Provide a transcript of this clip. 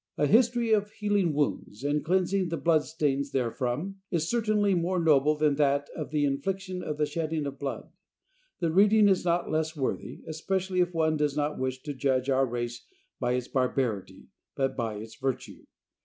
A history of healing wounds and cleansing the bloodstains therefrom is certainly more noble than that of the infliction and the shedding of blood. The reading is not less worthy, especially if one does not wish to judge our race by its barbarity, but by its virtue.